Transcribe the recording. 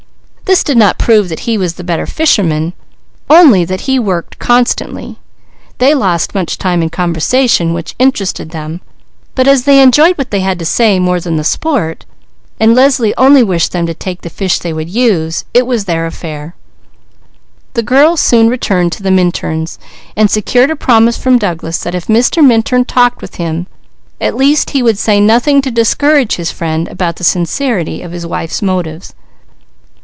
This did not prove that he was the better fisherman, only that he worked constantly; they lost much time in conversation which interested them; but as they enjoyed what they had to say more than the sport, while Leslie only wished them to take the fish they would use, it was their affair. The girl soon returned to the Minturns and secured a promise from Douglas that if Mr. Minturn talked with him, at least he would say nothing to discourage his friend about the sincerity of his wife's motives.